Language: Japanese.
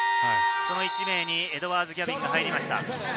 その１名にエドワーズ・ギャビンが入りました。